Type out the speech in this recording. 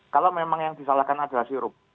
kalau memang yang disalahkan adalah sirup